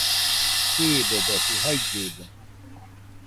Jiibedosi jaillude